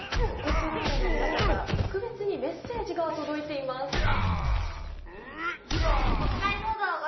ロコ・ソラーレの皆さんから特別にメッセージが届いています。